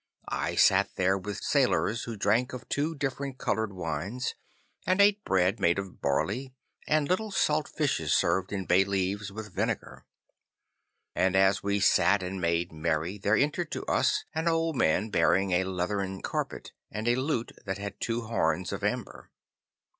I sat there with sailors who drank of two different coloured wines, and ate bread made of barley, and little salt fish served in bay leaves with vinegar. And as we sat and made merry, there entered to us an old man bearing a leathern carpet and a lute that had two horns of amber.